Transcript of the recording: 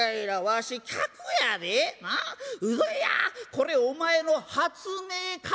これお前の発明か？』